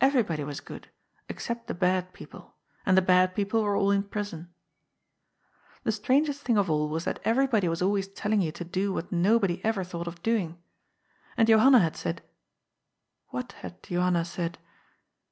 Everybody was good, except the bad people; and the bad people were all in prison. The strangest thing of all was that everybody was always telling you to do what nobody ever thought of doing. And Johanna had said What had Johanna said